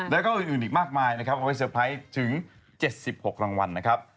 แล้วก็อื่นอีกมากมายนะครับเอาไว้เซอร์ไพรส์ถึง๗๖รางวัลนะครับ